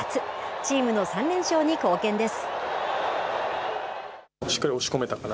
チームの３連勝に貢献です。